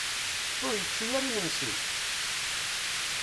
Ur yečči ara imensi?